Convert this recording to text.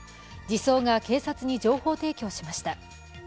児相が警察に情報提供しました。